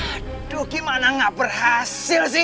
aduh gimana gak berhasil sih